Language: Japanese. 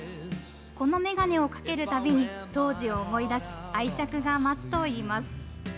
このメガネをかけるたびに、当時を思い出し、愛着が増すといいます。